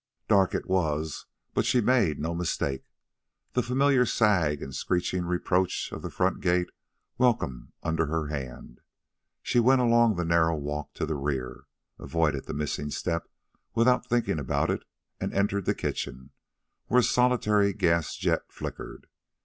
Dark it was, but she made no mistake, the familiar sag and screeching reproach of the front gate welcome under her hand. She went along the narrow walk to the rear, avoided the missing step without thinking about it, and entered the kitchen, where a solitary gas jet flickered.